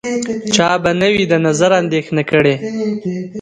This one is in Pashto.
چا به نه وي د نظر اندېښنه کړې